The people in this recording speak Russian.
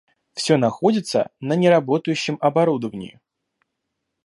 Все находится на неработающем оборудовании